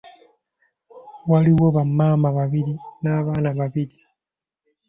Waaliwo bamaama babiri n'abaana babiri.